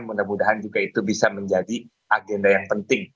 mudah mudahan juga itu bisa menjadi agenda yang penting